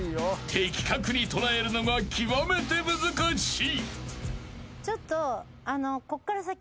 ［的確に捉えるのが極めて難しい］